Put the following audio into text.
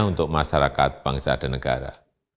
untuk masyarakat bangsa dan negara